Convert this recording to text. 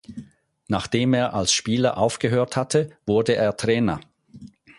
Nachdem er als Spieler aufgehört hatte, wurde er Trainer.